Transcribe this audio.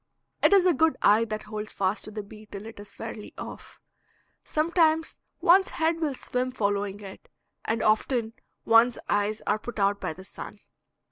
It is a good eye that holds fast to the bee till it is fairly off. Sometimes one's head will swim following it, and often one's eyes are put out by the sun.